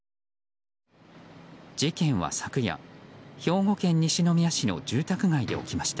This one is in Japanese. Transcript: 事件は昨夜、兵庫県西宮市の住宅街で起きました。